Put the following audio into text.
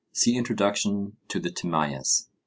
(See Introduction to the Timaeus.)